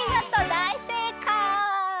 だいせいかい！